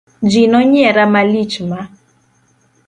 Ji nonyiera malich ma.